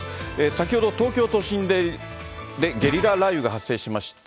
先ほど、東京都心でゲリラ雷雨が発生しました。